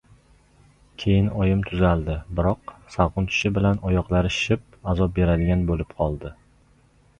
Keyin oyim tuzaldi. Biroq salqin tushishi bilan oyoqlari shishib, azob beradigan bo‘lib qoldi...